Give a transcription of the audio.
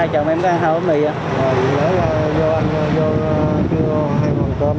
hai chàng em có ăn thêm bánh mì không